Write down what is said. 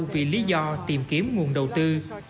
vì lý do tìm kiếm nguồn đầu tư